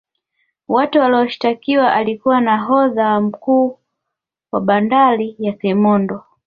watu Waliyoshitakiwa alikuwa nahodha na mkuu wa bandari ya kemondo